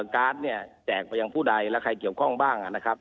การ์ดเนี่ยแจกไปยังผู้ใดและใครเกี่ยวข้องบ้างนะครับ